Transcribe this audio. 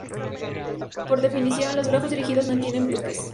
Por definición, los grafos dirigidos no contienen "bucles".